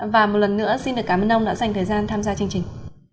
và một lần nữa xin được cảm ơn ông đã dành thời gian tham gia chương trình